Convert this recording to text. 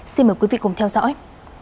xin mời quý vị cùng theo dõi